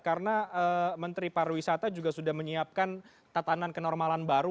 karena menteri pariwisata juga sudah menyiapkan tatanan kenormalan baru